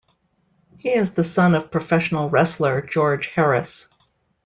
He is the son of professional wrestler George Harris.